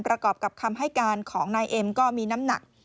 ประกอบกับคำให้การของนายเอ็มก็มีน้ำหนัก